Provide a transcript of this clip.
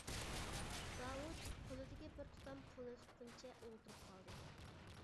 داۋۇت قولىدىكى بىر تۇتام پۇلنى تۇتقىنىچە ئولتۇرۇپ قالدى.